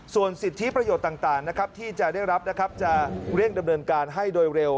ส่วนสิทธิประโยชน์ต่างนะครับที่จะได้รับนะครับจะเร่งดำเนินการให้โดยเร็ว